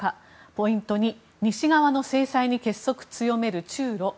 ポイント２、西側の制裁に結束強める中ロ。